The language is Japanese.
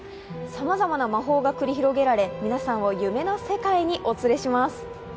様々な魔法が繰り広げられ皆さんを夢の世界にお連れします。